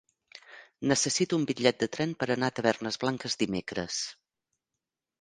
Necessito un bitllet de tren per anar a Tavernes Blanques dimecres.